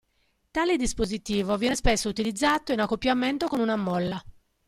Tale dispositivo viene spesso utilizzato in accoppiamento con una molla.